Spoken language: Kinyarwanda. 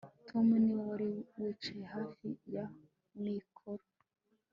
Tom niwe wari wicaye hafi ya mikoro